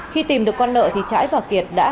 khi tìm được con nợ thì trái và kiệt đã